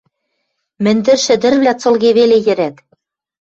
Мӹндӹр шӹдӹрвлӓ цылге веле йӹрӓт.